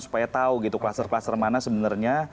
supaya tahu gitu kluster kluster mana sebenarnya